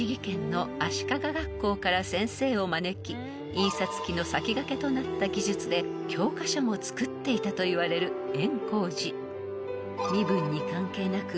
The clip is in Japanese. ［印刷機の先駆けとなった技術で教科書も作っていたといわれる圓光寺］